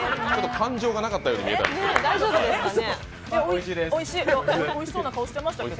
感情がなかったように見えたんですけど。